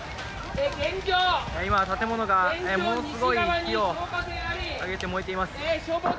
今、建物がものすごい火を上げて燃えています。